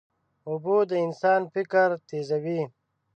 اوبه د انسان فکر تیزوي.